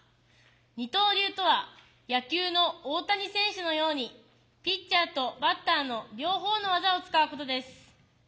二刀流とは野球の大谷選手のようにピッチャーとバッターの両方の技を使うことです。